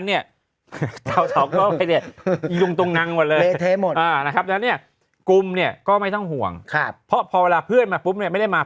มีสองอันนะคะนอกนั้นเนี่ย